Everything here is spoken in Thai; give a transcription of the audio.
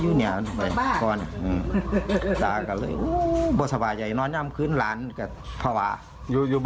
อยู่บ้านเขาเคยมีพอเพื่อนซะนะครับ